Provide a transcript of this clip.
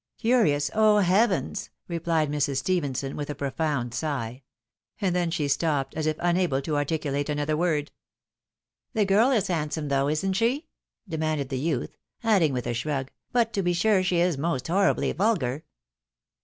" Curious ! Oh ! heavens !" repKed Mrs. Stephenson, with a profound sigh. And then she stopped, as if unable to articu late another word. " The girl is handsome though, isn't she ?" demanded the youth ; adding, with a shrug, " but to be sure she is most horribly vulgar."